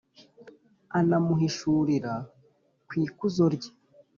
anamuhishurira ku ikuzo rye.